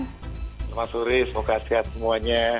selamat sore semoga sehat semuanya